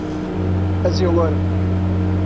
Ez ê werim.